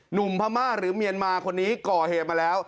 พม่าหรือเมียนมาคนนี้ก่อเหตุมาแล้ว